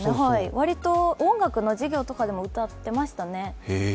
わりと音楽の授業などでも歌ってましたね。